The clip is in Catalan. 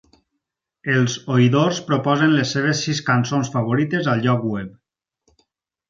Els oïdors proposen les seves sis cançons favorites al lloc web.